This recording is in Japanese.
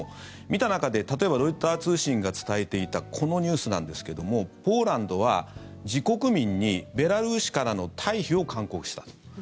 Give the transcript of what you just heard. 見た中で、例えばロイター通信が伝えていたこのニュースなんですけどもポーランドは自国民にベラルーシからの退避を勧告したと。